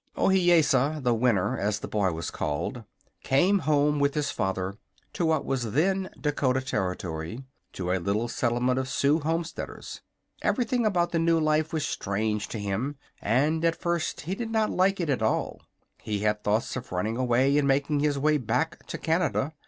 Ohiyesa, the Winner, as the boy was called, came home with his father to what was then Dakota Territory, to a little settlement of Sioux homesteaders. Everything about the new life was strange to him, and at first he did not like it at all. He had thoughts of running away and making his way back to Canada.